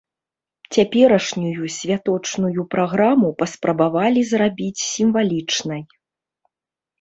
Цяперашнюю святочную праграму паспрабавалі зрабіць сімвалічнай.